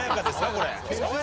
これ。